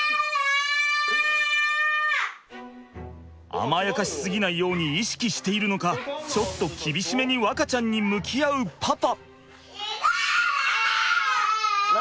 甘やかし過ぎないように意識しているのかちょっと厳しめに和花ちゃんに向き合うパパ。